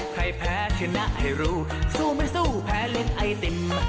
แพ้ชนะให้รู้สู้ไม่สู้แพ้ลิ้นไอติม